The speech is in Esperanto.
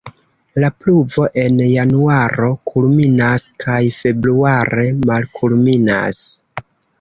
La pluvo en januaro kulminas kaj februare malkulminas.